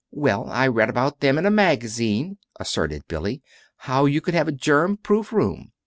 "Well, I read about them in a magazine," asserted Billy, " how you could have a germ proof room.